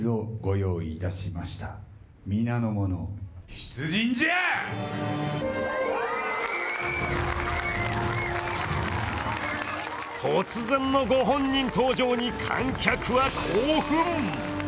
すると突然のご本人登場に観客は興奮。